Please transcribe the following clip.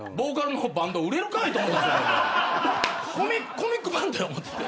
コミックバンドや思ってた。